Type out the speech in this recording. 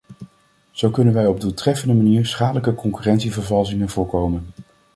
Zo kunnen wij op doeltreffende manier schadelijke concurrentievervalsingen voorkomen.